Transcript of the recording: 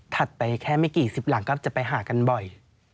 ไปแค่ไม่กี่สิบหลังก็จะไปหากันบ่อย